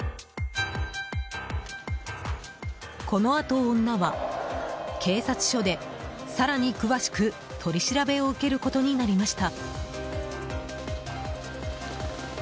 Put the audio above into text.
このあと女は警察署で更に詳しく取り調べを受けることになりました。